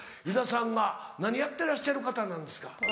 湯田さんが何やってらっしゃる方なんですか？